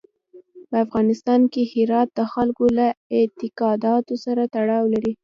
په افغانستان کې هرات د خلکو له اعتقاداتو سره تړاو لري.